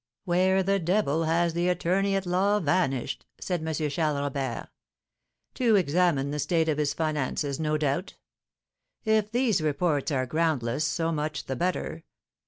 "Where the devil has the attorney at law vanished?" said M. Charles Robert. "To examine the state of his finances, no doubt. If these reports are groundless, so much the better.